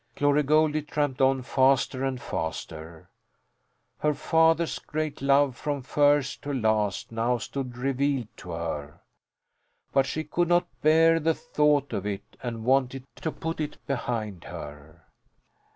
Glory Goldie tramped on, faster and faster. Her father's great love from first to last now stood revealed to her. But she could not bear the thought of it and wanted to put it behind her.